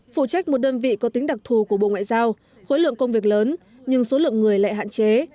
phụ trách một đơn vị có tính đặc thù của bộ ngoại giao khối lượng công việc lớn nhưng số lượng người lại hạn chế